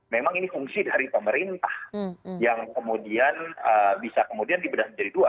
memang ini fungsi dari pemerintah yang kemudian bisa kemudian dibedah menjadi dua